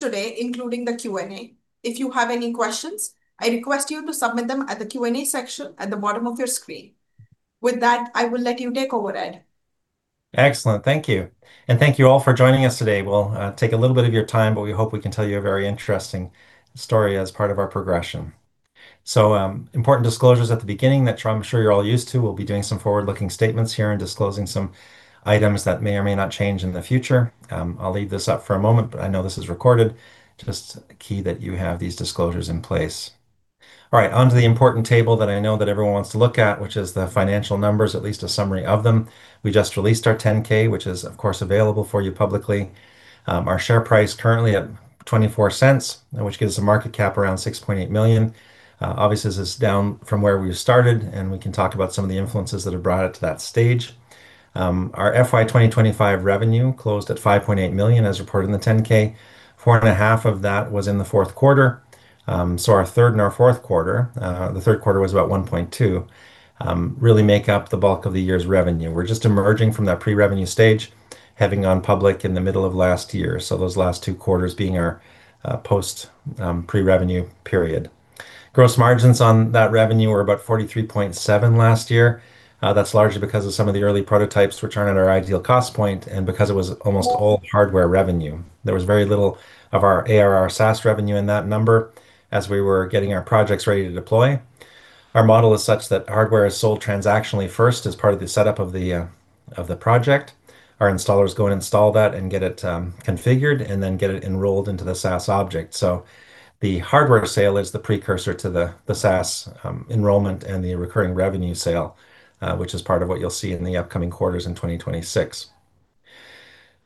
Today, including the Q&A. If you have any questions, I request you to submit them at the Q&A section at the bottom of your screen. With that, I will let you take over, Ed. Excellent. Thank you. Thank you all for joining us today. We'll take a little bit of your time, but we hope we can tell you a very interesting story as part of our progression. Important disclosures at the beginning that I'm sure you're all used to. We'll be doing some forward-looking statements here and disclosing some items that may or may not change in the future. I'll leave this up for a moment, but I know this is recorded. Just keep that you have these disclosures in place. All right, onto the important table that I know that everyone wants to look at, which is the financial numbers, at least a summary of them. We just released our 10-K, which is, of course, available for you publicly. Our share price currently at $0.24, which gives a market cap around $6.8 million. Obviously, this is down from where we started, and we can talk about some of the influences that have brought it to that stage. Our FY 2025 revenue closed at $5.8 million as reported in the 10-K. $4.5 million of that was in the fourth quarter. Our third and our fourth quarter, the third quarter was about $1.2 million, really make up the bulk of the year's revenue. We're just emerging from that pre-revenue stage, having gone public in the middle of last year. Those last two quarters being our pre-revenue period. Gross margins on that revenue were about 43.7% last year. That's largely because of some of the early prototypes which aren't at our ideal cost point, and because it was almost all hardware revenue. There was very little of our ARR SaaS revenue in that number as we were getting our projects ready to deploy. Our model is such that hardware is sold transactionally first as part of the setup of the project. Our installers go and install that and get it configured, and then get it enrolled into the SaaS object. The hardware sale is the precursor to the SaaS enrollment and the recurring revenue sale which is part of what you'll see in the upcoming quarters in 2026.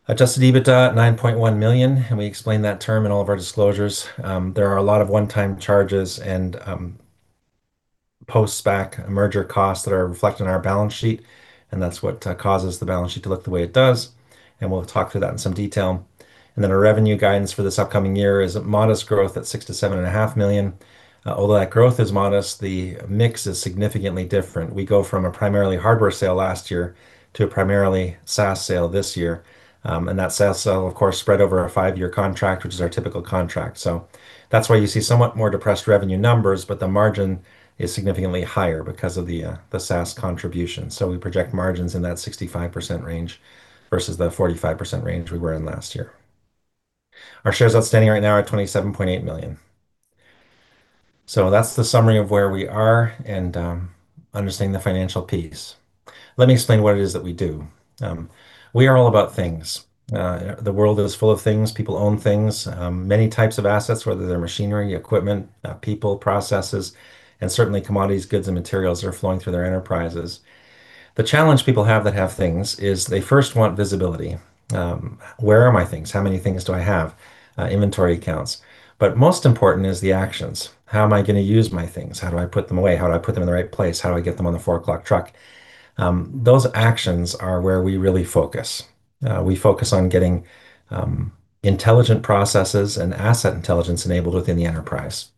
Adjusted EBITDA $9.1 million, and we explain that term in all of our disclosures. There are a lot of one-time charges and post-SPAC merger costs that are reflected on our balance sheet, and that's what causes the balance sheet to look the way it does, and we'll talk through that in some detail. Our revenue guidance for this upcoming year is a modest growth at $6 million-$7.5 million. Although that growth is modest, the mix is significantly different. We go from a primarily hardware sale last year to a primarily SaaS sale this year. That SaaS sale, of course, spread over a five-year contract, which is our typical contract. That's why you see somewhat more depressed revenue numbers, but the margin is significantly higher because of the SaaS contribution. We project margins in that 65% range versus the 45% range we were in last year. Our shares outstanding right now are at 27.8 million. That's the summary of where we are and understanding the financial piece. Let me explain what it is that we do. We are all about things. The world is full of things. People own things. Many types of assets, whether they're machinery, equipment, people, processes, and certainly commodities, goods, and materials are flowing through their enterprises. The challenge people have that have things is they first want visibility. Where are my things? How many things do I have? Inventory counts. Most important is the actions. How am I gonna use my things? How do I put them away? How do I put them in the right place? How do I get them on the 4:00 P.M. truck? Those actions are where we really focus. We focus on getting intelligent processes and asset intelligence enabled within the enterprise.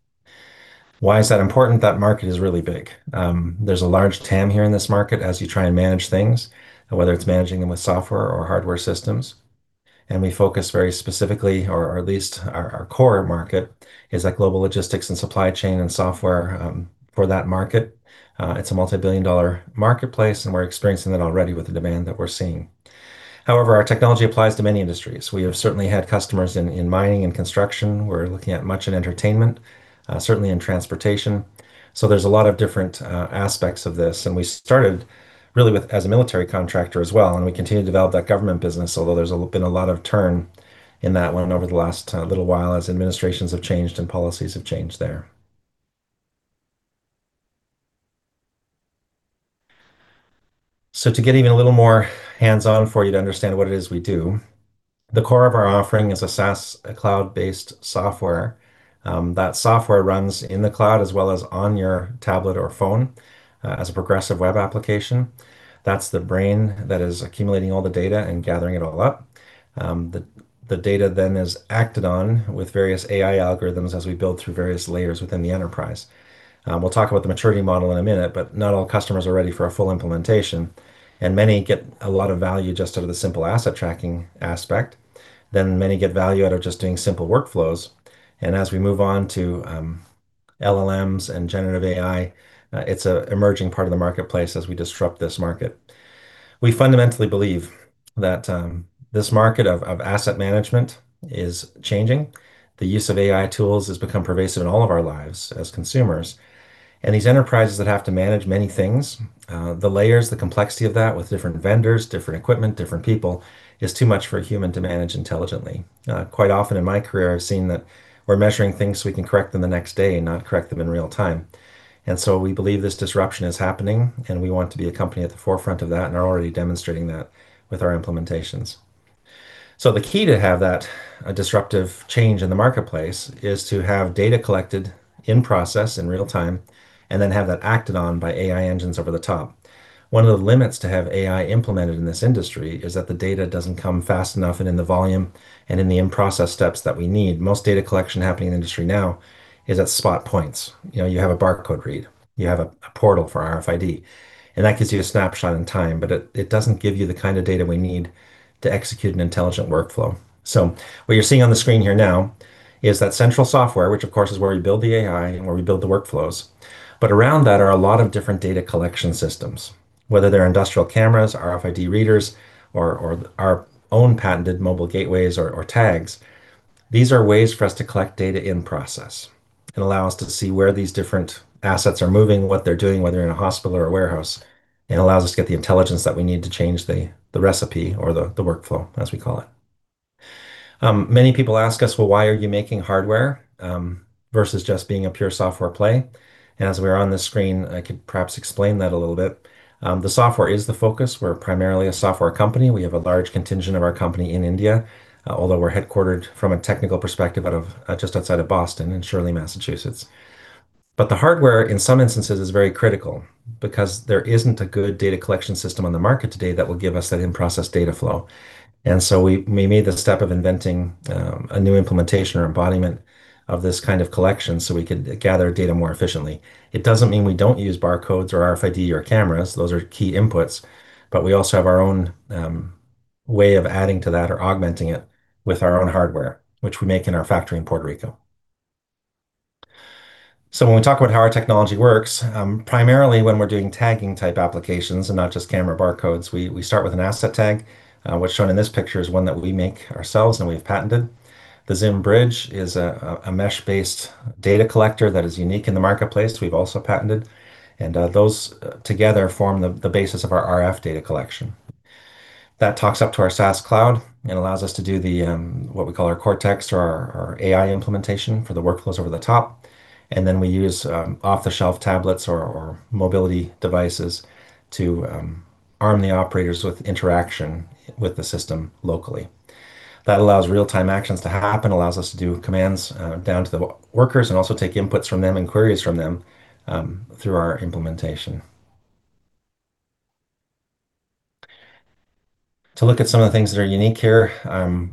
Why is that important? That market is really big. There's a large TAM here in this market as you try and manage things, whether it's managing them with software or hardware systems. We focus very specifically, or at least our core market, is that global logistics and supply chain and software for that market. It's a multi-billion-dollar marketplace, and we're experiencing that already with the demand that we're seeing. However, our technology applies to many industries. We have certainly had customers in mining and construction. We're looking at much in entertainment, certainly in transportation. There's a lot of different aspects of this, and we started really with... As a military contractor as well, and we continue to develop that government business, although there's been a lot of turnover in that one over the last little while as administrations have changed and policies have changed there. To get even a little more hands-on for you to understand what it is we do, the core of our offering is a SaaS, a cloud-based software. That software runs in the cloud as well as on your tablet or phone as a progressive web application. That's the brain that is accumulating all the data and gathering it all up. The data then is acted on with various AI algorithms as we build through various layers within the enterprise. We'll talk about the maturity model in a minute, but not all customers are ready for a full implementation, and many get a lot of value just out of the simple asset tracking aspect. Many get value out of just doing simple workflows. As we move on to LLMs and generative AI, it's an emerging part of the marketplace as we disrupt this market. We fundamentally believe that this market of asset management is changing. The use of AI tools has become pervasive in all of our lives as consumers. These enterprises that have to manage many things, the layers, the complexity of that with different vendors, different equipment, different people, is too much for a human to manage intelligently. Quite often in my career, I've seen that we're measuring things so we can correct them the next day, not correct them in real time. We believe this disruption is happening, and we want to be a company at the forefront of that and are already demonstrating that with our implementations. The key to have that disruptive change in the marketplace is to have data collected in process in real time and then have that acted on by AI engines over the top. One of the limits to have AI implemented in this industry is that the data doesn't come fast enough and in the volume and in the in-process steps that we need. Most data collection happening in industry now is at spot points. You know, you have a barcode read, you have a portal for RFID, and that gives you a snapshot in time, but it doesn't give you the kind of data we need to execute an intelligent workflow. What you're seeing on the screen here now is that central software, which of course is where we build the AI and where we build the workflows. Around that are a lot of different data collection systems, whether they're industrial cameras, RFID readers, or our own patented mobile gateways or tags. These are ways for us to collect data in process and allow us to see where these different assets are moving, what they're doing, whether in a hospital or a warehouse, and allows us to get the intelligence that we need to change the recipe or the workflow, as we call it. Many people ask us, "Well, why are you making hardware versus just being a pure software play?" As we're on the screen, I could perhaps explain that a little bit. The software is the focus. We're primarily a software company. We have a large contingent of our company in India, although we're headquartered from a technical perspective out of just outside of Boston in Shirley, Massachusetts. The hardware, in some instances, is very critical because there isn't a good data collection system on the market today that will give us that in-process data flow. We made the step of inventing a new implementation or embodiment of this kind of collection so we could gather data more efficiently. It doesn't mean we don't use barcodes or RFID or cameras. Those are key inputs. We also have our own way of adding to that or augmenting it with our own hardware, which we make in our factory in Puerto Rico. When we talk about how our technology works, primarily when we're doing tagging type applications and not just camera barcodes, we start with an asset tag. What's shown in this picture is one that we make ourselves, and we've patented. The ZiM Bridge is a mesh-based data collector that is unique in the marketplace. We've also patented, and those together form the basis of our RF data collection. That talks up to our SaaS cloud and allows us to do the, what we call our Cortex or our AI implementation for the workflows over the top, and then we use, off-the-shelf tablets or mobility devices to, arm the operators with interaction with the system locally. That allows real-time actions to happen, allows us to do commands, down to the workers, and also take inputs from them and queries from them, through our implementation. To look at some of the things that are unique here,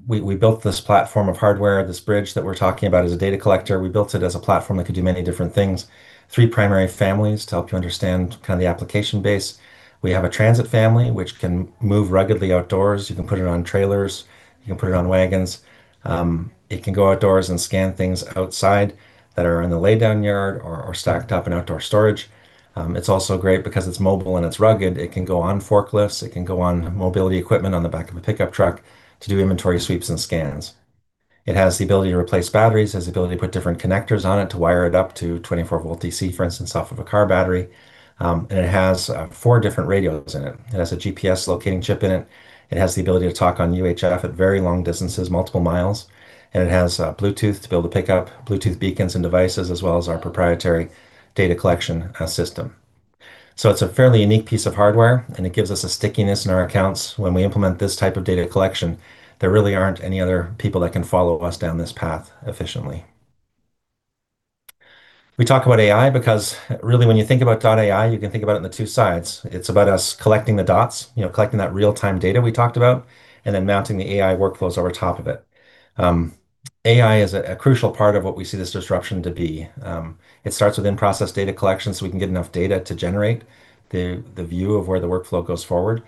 we built this platform of hardware, this bridge that we're talking about as a data collector. We built it as a platform that could do many different things. Three primary families to help you understand kind of the application base. We have a transit family, which can move ruggedly outdoors. You can put it on trailers. You can put it on wagons. It can go outdoors and scan things outside that are in the laydown yard or stacked up in outdoor storage. It's also great because it's mobile and it's rugged. It can go on forklifts. It can go on mobility equipment on the back of a pickup truck to do inventory sweeps and scans. It has the ability to replace batteries. It has the ability to put different connectors on it to wire it up to 24-volt DC, for instance, off of a car battery. It has four different radios in it. It has a GPS locating chip in it. It has the ability to talk on UHF at very long distances, multiple miles, and it has Bluetooth to be able to pick up Bluetooth beacons and devices, as well as our proprietary data collection system. It's a fairly unique piece of hardware, and it gives us a stickiness in our accounts. When we implement this type of data collection, there really aren't any other people that can follow us down this path efficiently. We talk about AI because really when you think about Dot AI, you can think about it in the two sides. It's about us collecting the dots, you know, collecting that real-time data we talked about, and then mounting the AI workflows over top of it. AI is a crucial part of what we see this disruption to be. It starts with in-process data collection so we can get enough data to generate the view of where the workflow goes forward,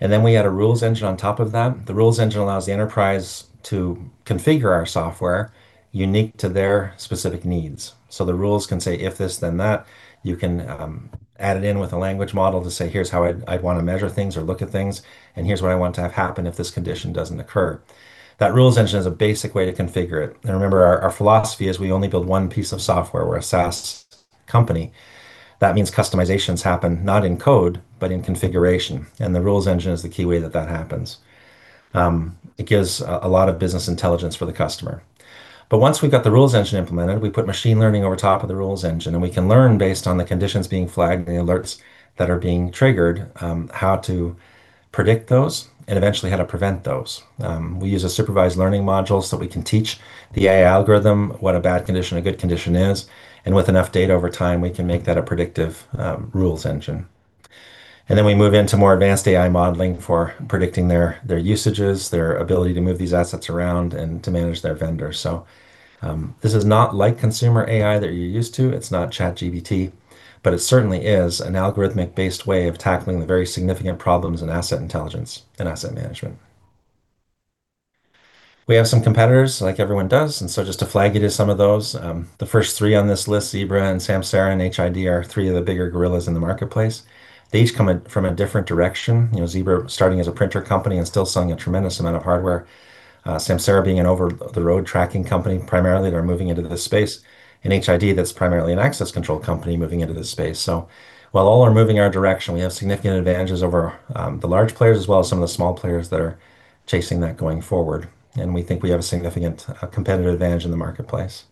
and then we add a rules engine on top of that. The rules engine allows the enterprise to configure our software unique to their specific needs. So the rules can say if this, then that. You can add it in with a language model to say, "Here's how I'd wanna measure things or look at things, and here's what I want to have happen if this condition doesn't occur." That rules engine is a basic way to configure it. Remember, our philosophy is we only build one piece of software. We're a SaaS company. That means customizations happen not in code, but in configuration, and the rules engine is the keyway that that happens. It gives a lot of business intelligence for the customer. Once we've got the rules engine implemented, we put machine learning over top of the rules engine, and we can learn based on the conditions being flagged and the alerts that are being triggered, how to predict those and eventually how to prevent those. We use a supervised learning module so we can teach the AI algorithm what a bad condition, a good condition is, and with enough data over time, we can make that a predictive rules engine. Then we move into more advanced AI modeling for predicting their usages, their ability to move these assets around, and to manage their vendors. This is not like consumer AI that you're used to. It's not ChatGPT, but it certainly is an algorithmic-based way of tackling the very significant problems in asset intelligence and asset management. We have some competitors, like everyone does, and so just to flag you to some of those, the first three on this list, Zebra and Samsara and HID, are three of the bigger gorillas in the marketplace. They each come in from a different direction. You know, Zebra starting as a printer company and still selling a tremendous amount of hardware. Samsara being an over-the-road tracking company, primarily, they're moving into this space. HID, that's primarily an access control company moving into this space. While all are moving our direction, we have significant advantages over the large players as well as some of the small players that are chasing that going forward, and we think we have a significant competitive advantage in the marketplace.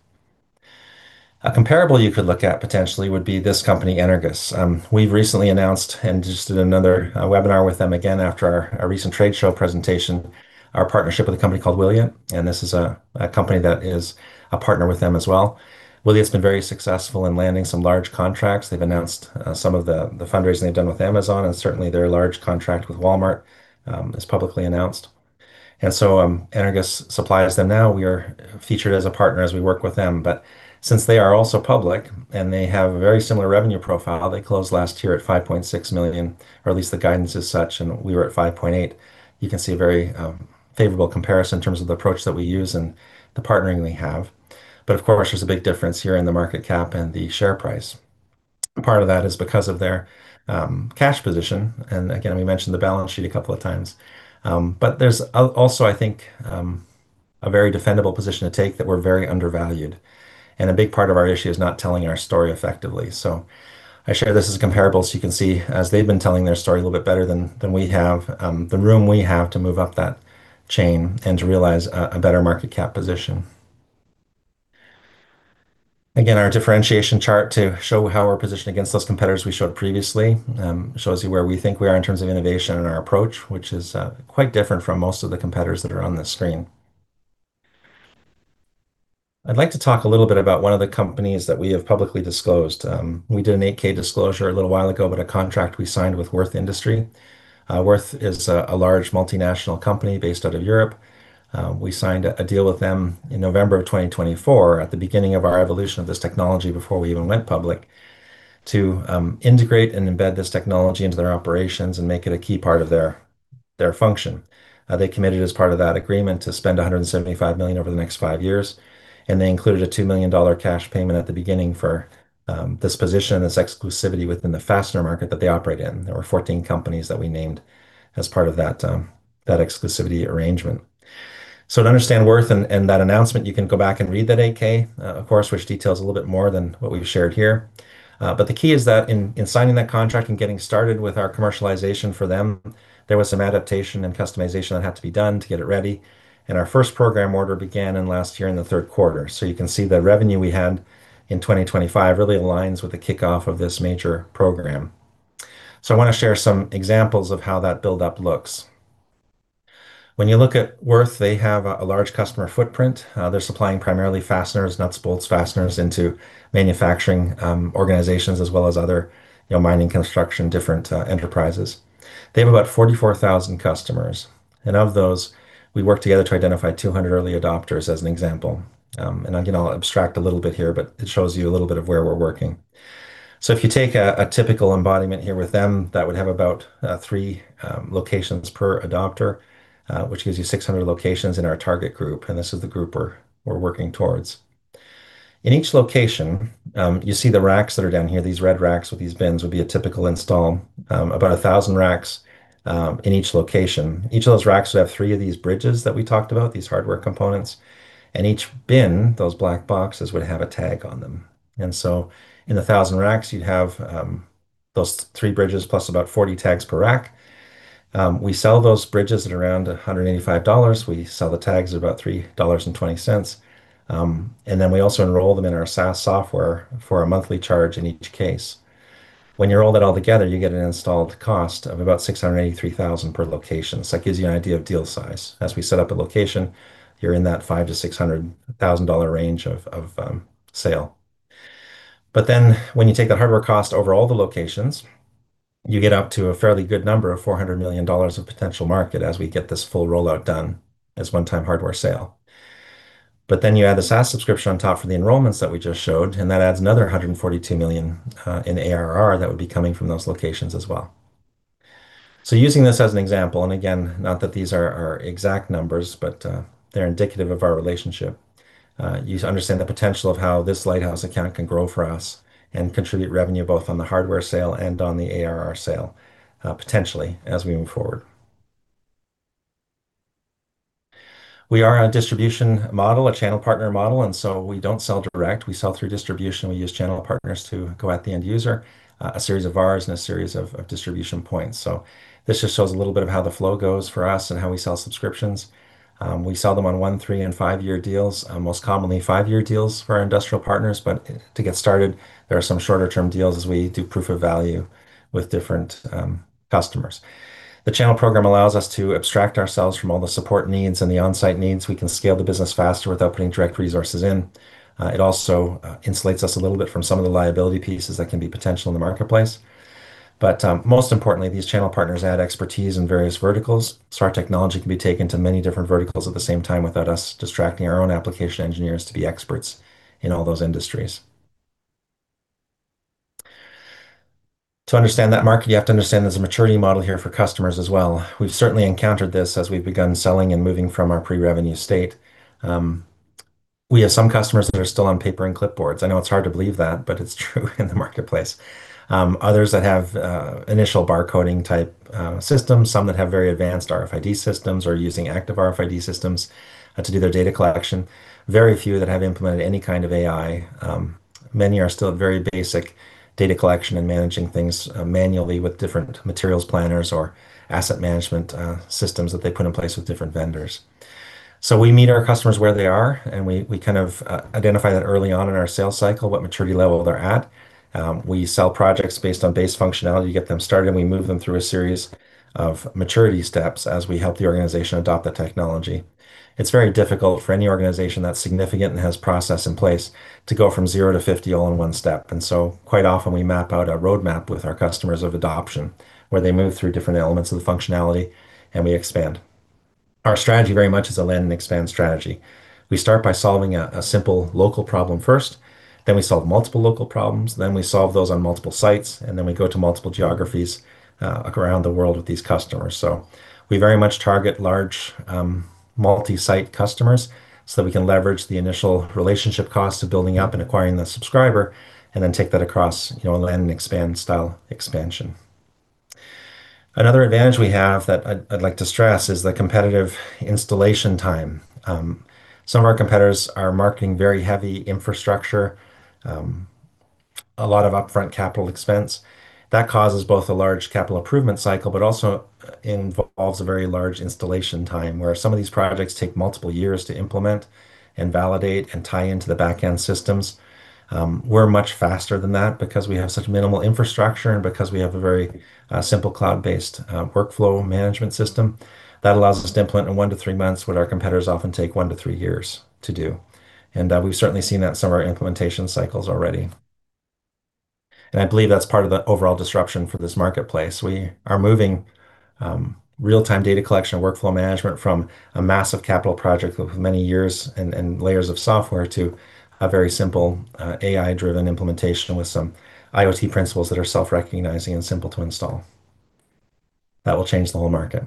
A comparable you could look at potentially would be this company, Energous. We've recently announced and just did another webinar with them again after our recent trade show presentation, our partnership with a company called Wiliot, and this is a company that is a partner with them as well. Wiliot's been very successful in landing some large contracts. They've announced some of the fundraising they've done with Amazon, and certainly their large contract with Walmart is publicly announced. Energous supplies them now. We are featured as a partner as we work with them. Since they are also public, and they have a very similar revenue profile, they closed last year at $5.6 million, or at least the guidance is such, and we were at $5.8 million, you can see a very favorable comparison in terms of the approach that we use and the partnering we have. Of course, there's a big difference here in the market cap and the share price. Part of that is because of their cash position. Again, we mentioned the balance sheet a couple of times. There's also, I think, a very defendable position to take that we're very undervalued, and a big part of our issue is not telling our story effectively. I share this as comparable, so you can see as they've been telling their story a little bit better than we have, the room we have to move up that chain and to realize a better market cap position. Again, our differentiation chart to show how we're positioned against those competitors we showed previously, shows you where we think we are in terms of innovation and our approach, which is quite different from most of the competitors that are on this screen. I'd like to talk a little bit about one of the companies that we have publicly disclosed. We did an 8-K disclosure a little while ago about a contract we signed with Würth Industry. Würth is a large multinational company based out of Europe. We signed a deal with them in November of 2024 at the beginning of our evolution of this technology before we even went public to integrate and embed this technology into their operations and make it a key part of their function. They committed as part of that agreement to spend $175 million over the next five years, and they included a $2 million cash payment at the beginning for this position and this exclusivity within the fastener market that they operate in. There were 14 companies that we named as part of that exclusivity arrangement. To understand Würth and that announcement, you can go back and read that 8-K, of course, which details a little bit more than what we've shared here. The key is that in signing that contract and getting started with our commercialization for them, there was some adaptation and customization that had to be done to get it ready. Our first program order began in last year in the third quarter. You can see the revenue we had in 2025 really aligns with the kickoff of this major program. I wanna share some examples of how that buildup looks. When you look at Würth, they have a large customer footprint. They're supplying primarily fasteners, nuts, bolts, fasteners into manufacturing organizations as well as other, you know, mining, construction, different enterprises. They have about 44,000 customers, and of those, we worked together to identify 200 early adopters as an example. Again, I'll abstract a little bit here, but it shows you a little bit of where we're working. If you take a typical embodiment here with them, that would have about three locations per adopter, which gives you 600 locations in our target group, and this is the group we're working towards. In each location, you see the racks that are down here. These red racks with these bins would be a typical install, about 1,000 racks in each location. Each of those racks would have three of these bridges that we talked about, these hardware components. Each bin, those black boxes, would have a tag on them. In the 1,000 racks, you'd have those three bridges plus about 40 tags per rack. We sell those bridges at around $185. We sell the tags at about $3.20. Then we also enroll them in our SaaS software for a monthly charge in each case. When you roll that all together, you get an installed cost of about $683,000 per location. That gives you an idea of deal size. As we set up a location, you're in that $500,000-$600,000 range of sale. Then when you take the hardware cost over all the locations, you get up to a fairly good number of $400 million of potential market as we get this full rollout done as one-time hardware sale. You add the SaaS subscription on top for the enrollments that we just showed, and that adds another $142 million in ARR that would be coming from those locations as well. Using this as an example, and again, not that these are our exact numbers, but they're indicative of our relationship. You understand the potential of how this lighthouse account can grow for us and contribute revenue both on the hardware sale and on the ARR sale, potentially as we move forward. We are a distribution model, a channel partner model, and so we don't sell direct. We sell through distribution. We use channel partners to go at the end user, a series of VARs and a series of distribution points. This just shows a little bit of how the flow goes for us and how we sell subscriptions. We sell them on one, three, and five-year deals, most commonly five-year deals for our industrial partners. To get started, there are some shorter-term deals as we do proof of value with different customers. The channel program allows us to abstract ourselves from all the support needs and the onsite needs. We can scale the business faster without putting direct resources in. It also insulates us a little bit from some of the liability pieces that can be potential in the marketplace. Most importantly, these channel partners add expertise in various verticals. Our technology can be taken to many different verticals at the same time without us distracting our own application engineers to be experts in all those industries. To understand that market, you have to understand there's a maturity model here for customers as well. We've certainly encountered this as we've begun selling and moving from our pre-revenue state. We have some customers that are still on paper and clipboards. I know it's hard to believe that, but it's true in the marketplace. Others that have initial barcoding type systems, some that have very advanced RFID systems or using active RFID systems to do their data collection. Very few that have implemented any kind of AI. Many are still very basic data collection and managing things manually with different materials planners or asset management systems that they put in place with different vendors. We meet our customers where they are, and we kind of identify that early on in our sales cycle, what maturity level they're at. We sell projects based on base functionality to get them started, and we move them through a series of maturity steps as we help the organization adopt the technology. It's very difficult for any organization that's significant and has process in place to go from zero to 50 all in one step. Quite often we map out a roadmap with our customers of adoption, where they move through different elements of the functionality, and we expand. Our strategy very much is a land and expand strategy. We start by solving a simple local problem first, then we solve multiple local problems, then we solve those on multiple sites, and then we go to multiple geographies around the world with these customers. We very much target large multi-site customers so that we can leverage the initial relationship cost of building up and acquiring the subscriber and then take that across, you know, land and expand style expansion. Another advantage we have that I'd like to stress is the competitive installation time. Some of our competitors are marketing very heavy infrastructure, a lot of upfront capital expense. That causes both a large capital improvement cycle but also involves a very large installation time, where some of these projects take multiple years to implement and validate and tie into the back-end systems. We're much faster than that because we have such minimal infrastructure and because we have a very simple cloud-based workflow management system. That allows us to implement in one to three months what our competitors often take one to three years to do. We've certainly seen that in some of our implementation cycles already. I believe that's part of the overall disruption for this marketplace. We are moving real-time data collection and workflow management from a massive capital project of many years and layers of software to a very simple AI-driven implementation with some IoT principles that are self-recognizing and simple to install. That will change the whole market.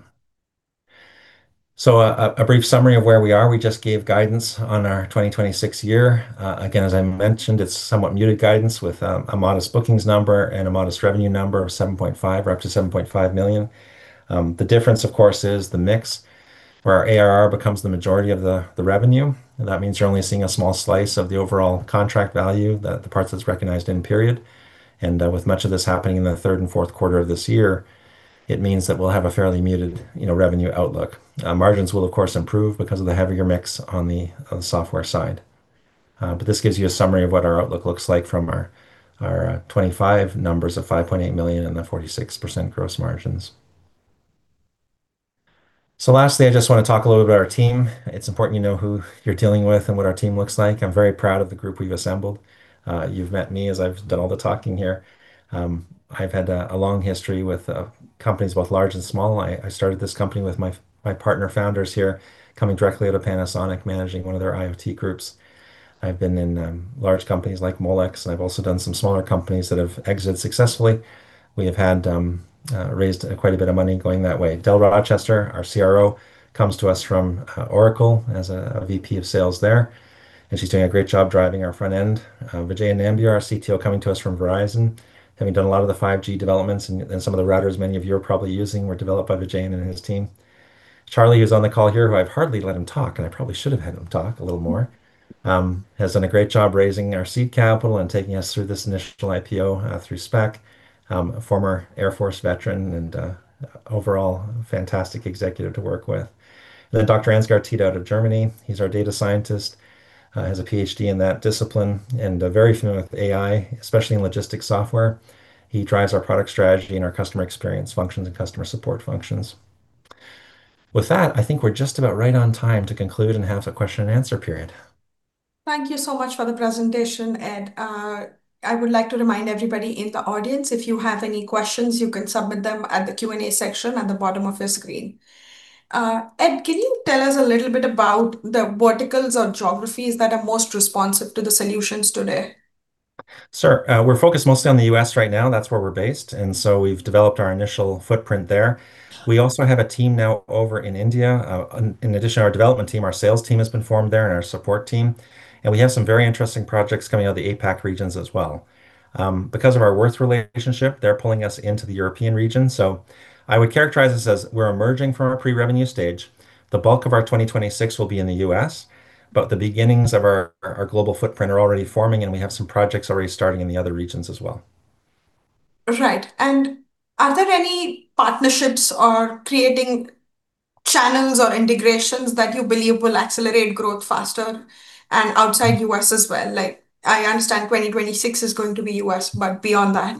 A brief summary of where we are. We just gave guidance on our 2026 year. Again, as I mentioned, it's somewhat muted guidance with a modest bookings number and a modest revenue number of $7.5 million or up to $7.5 million. The difference of course is the mix, where our ARR becomes the majority of the revenue, and that means you're only seeing a small slice of the overall contract value that the part that's recognized in period. With much of this happening in the third and fourth quarter of this year, it means that we'll have a fairly muted, you know, revenue outlook. Margins will of course improve because of the heavier mix on the software side. This gives you a summary of what our outlook looks like from our 25 numbers of $5.8 million and the 46% gross margins. Lastly, I just wanna talk a little about our team. It's important you know who you're dealing with and what our team looks like. I'm very proud of the group we've assembled. You've met me as I've done all the talking here. I've had a long history with companies both large and small. I started this company with my partner founders here, coming directly out of Panasonic, managing one of their IoT groups. I've been in large companies like Molex, and I've also done some smaller companies that have exited successfully. We have raised quite a bit of money going that way. Delores Rochester, our CRO, comes to us from Oracle as a VP of sales there, and she's doing a great job driving our front end. Vijay Nambiar, our CTO, coming to us from Verizon, having done a lot of the 5G developments and some of the routers many of you are probably using were developed by Vijay and his team. Charlie, who's on the call here, who I've hardly let him talk, and I probably should have had him talk a little more, has done a great job raising our seed capital and taking us through this initial IPO through SPAC. A former Air Force veteran and overall fantastic executive to work with. Dr. Ansgar Tiedt out of Germany, he's our data scientist, has a Ph.D. in that discipline and very familiar with AI, especially in logistics software. He drives our product strategy and our customer experience functions and customer support functions. With that, I think we're just about right on time to conclude and have a question and answer period. Thank you so much for the presentation, Ed. I would like to remind everybody in the audience if you have any questions, you can submit them at the Q&A section at the bottom of your screen. Ed, can you tell us a little bit about the verticals or geographies that are most responsive to the solutions today? Sure. We're focused mostly on the U.S. right now. That's where we're based, and so we've developed our initial footprint there. We also have a team now over in India. In addition to our development team, our sales team has been formed there and our support team, and we have some very interesting projects coming out of the APAC regions as well. Because of our Würth relationship, they're pulling us into the European region, so I would characterize this as we're emerging from a pre-revenue stage. The bulk of our 2026 will be in the U.S., but the beginnings of our global footprint are already forming, and we have some projects already starting in the other regions as well. Right. Are there any partnerships or creating channels or integrations that you believe will accelerate growth faster and outside U.S. as well? Like, I understand 2026 is going to be U.S., but beyond that.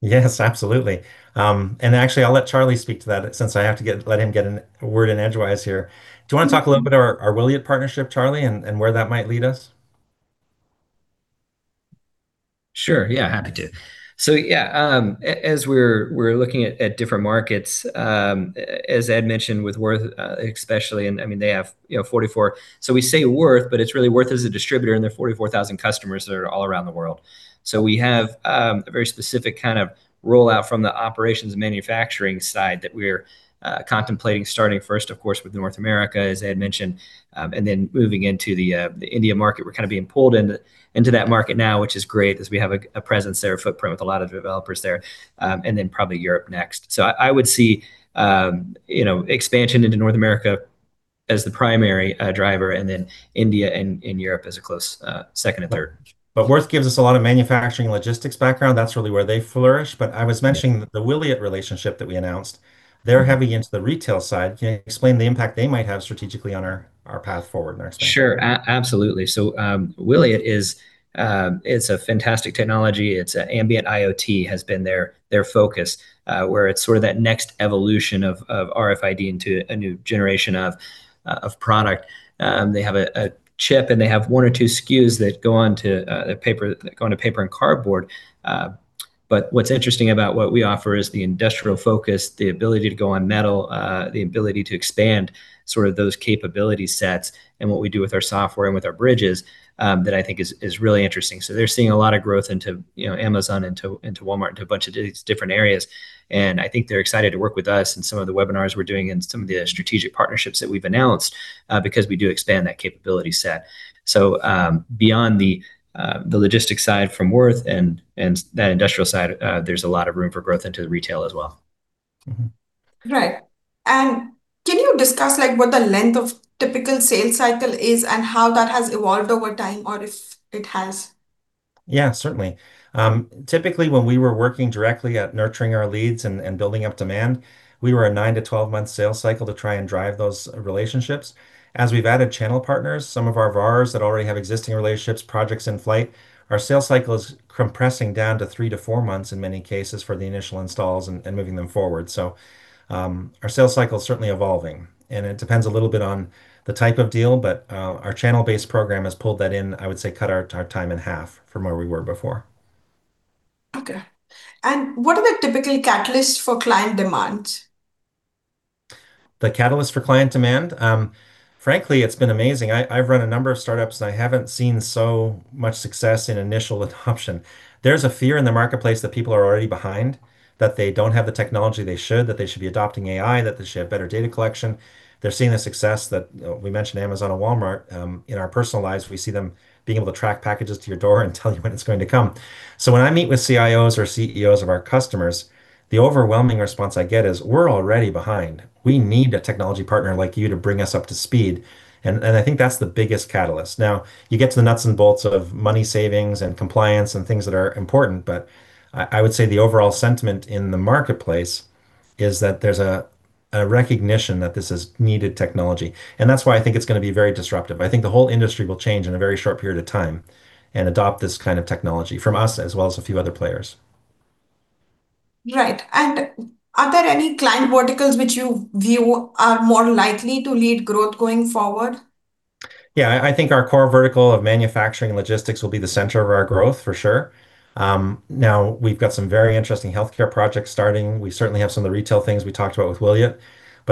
Yes, absolutely. Actually, I'll let Charlie speak to that since I have to let him get a word in edgewise here. Do you wanna talk a little about our Wiliot partnership, Charlie, and where that might lead us? Sure. Yeah, happy to. Yeah, as we're looking at different markets, as Ed mentioned, with Würth, especially, and I mean, they have, you know, we say Würth, but it's really Würth as a distributor, and they have 44,000 customers that are all around the world. We have a very specific kind of rollout from the operations and manufacturing side that we're contemplating starting first of course with North America, as Ed mentioned, and then moving into the India market. We're kind of being pulled into that market now, which is great as we have a presence there, a footprint with a lot of developers there. Then probably Europe next. I would see, you know, expansion into North America as the primary driver, and then India and Europe as a close second and third. Würth gives us a lot of manufacturing and logistics background. That's really where they flourish. I was mentioning the Wiliot relationship that we announced. They're heavy into the retail side. Can you explain the impact they might have strategically on our path forward and our expansion? Sure. Absolutely. Wiliot is a fantastic technology. It's Ambient IoT has been their focus, where it's sort of that next evolution of RFID into a new generation of product. They have a chip, and they have one or two SKUs that go onto paper and cardboard. But what's interesting about what we offer is the industrial focus, the ability to go on metal, the ability to expand sort of those capability sets and what we do with our software and with our bridges, that I think is really interesting. They're seeing a lot of growth into, you know, Amazon, into Walmart, into a bunch of these different areas, and I think they're excited to work with us in some of the webinars we're doing and some of the strategic partnerships that we've announced, because we do expand that capability set. Beyond the logistics side from Würth and that industrial side, there's a lot of room for growth into the retail as well. Mm-hmm. Right. Can you discuss, like, what the length of typical sales cycle is and how that has evolved over time, or if it has? Yeah, certainly. Typically when we were working directly at nurturing our leads and building up demand, we were a nine to 12-month sales cycle to try and drive those relationships. As we've added channel partners, some of our VARs that already have existing relationships, projects in flight, our sales cycle is compressing down to three to four months in many cases for the initial installs and moving them forward. Our sales cycle's certainly evolving, and it depends a little bit on the type of deal, but our channel-based program has pulled that in, I would say cut our time in half from where we were before. Okay. What are the typical catalysts for client demand? The catalyst for client demand, frankly, it's been amazing. I've run a number of startups and I haven't seen so much success in initial adoption. There's a fear in the marketplace that people are already behind, that they don't have the technology they should, that they should be adopting AI, that they should have better data collection. They're seeing the success that, you know, we mentioned Amazon and Walmart. In our personal lives we see them being able to track packages to your door and tell you when it's going to come. When I meet with CIOs or CEOs of our customers, the overwhelming response I get is, "We're already behind. We need a technology partner like you to bring us up to speed." I think that's the biggest catalyst. Now, you get to the nuts and bolts of money savings and compliance and things that are important, but I would say the overall sentiment in the marketplace is that there's a recognition that this is needed technology, and that's why I think it's gonna be very disruptive. I think the whole industry will change in a very short period of time and adopt this kind of technology, from us as well as a few other players. Right. Are there any client verticals which you view are more likely to lead growth going forward? Yeah. I think our core vertical of manufacturing and logistics will be the center of our growth, for sure. Now, we've got some very interesting healthcare projects starting. We certainly have some of the retail things we talked about with Wiliot.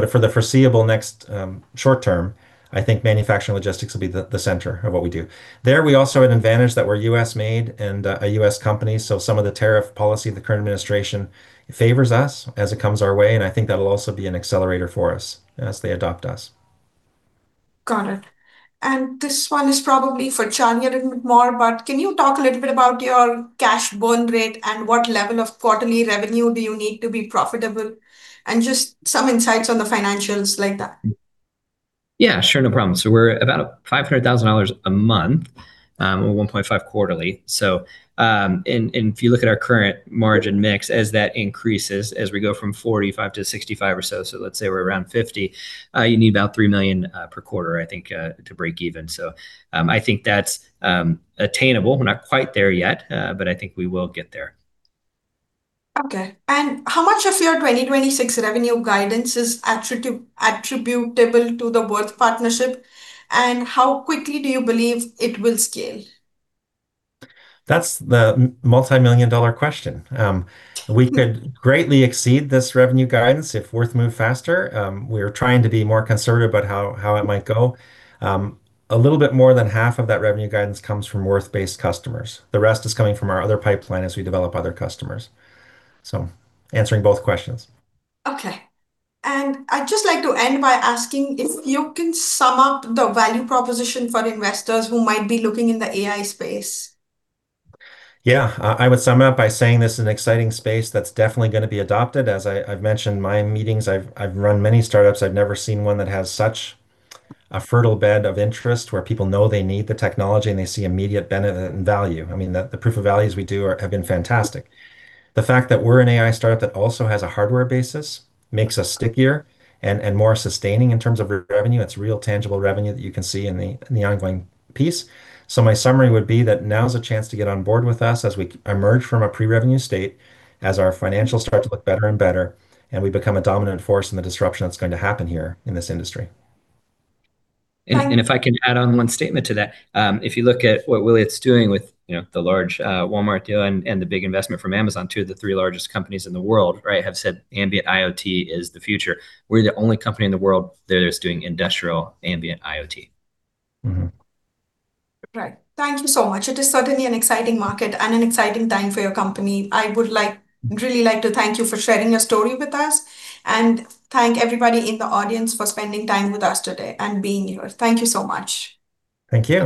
For the foreseeable next short term, I think manufacturing and logistics will be the center of what we do. There we also have an advantage that we're U.S.-made and a U.S. company, so some of the tariff policy of the current administration favors us as it comes our way, and I think that'll also be an accelerator for us as they adopt us. Got it. This one is probably for Charlie a little bit more, but can you talk a little bit about your cash burn rate and what level of quarterly revenue do you need to be profitable? Just some insights on the financials like that. Yeah, sure. No problem. We're about $500,000 a month or $1.5 million quarterly. If you look at our current margin mix, as that increases, as we go from 45%-65% or so, let's say we're around 50%, you need about $3 million per quarter, I think, to break even. I think that's attainable. We're not quite there yet, but I think we will get there. Okay. How much of your 2026 revenue guidance is attributable to the Würth partnership? How quickly do you believe it will scale? That's the multimillion-dollar question. We could greatly exceed this revenue guidance if Würth move faster. We're trying to be more conservative about how it might go. A little bit more than half of that revenue guidance comes from Würth-based customers. The rest is coming from our other pipeline as we develop other customers. Answering both questions. Okay. I'd just like to end by asking if you can sum up the value proposition for investors who might be looking in the AI space? Yeah. I would sum it up by saying this is an exciting space that's definitely gonna be adopted. As I've mentioned in my meetings, I've run many startups. I've never seen one that has such a fertile bed of interest where people know they need the technology, and they see immediate value. I mean, the proof of values we do have been fantastic. The fact that we're an AI startup that also has a hardware basis makes us stickier and more sustaining in terms of revenue, and it's real tangible revenue that you can see in the ongoing piece. My summary would be that now's the chance to get on board with us as we emerge from a pre-revenue state, as our financials start to look better and better, and we become a dominant force in the disruption that's going to happen here in this industry. And- If I can add on one statement to that, if you look at what Wiliot's doing with, you know, the large Walmart deal and the big investment from Amazon, two of the three largest companies in the world, right, have said Ambient IoT is the future. We're the only company in the world that is doing industrial Ambient IoT. Mm-hmm. Right. Thank you so much. It is certainly an exciting market and an exciting time for your company. I would like, really like to thank you for sharing your story with us, and thank everybody in the audience for spending time with us today and being here. Thank you so much. Thank you.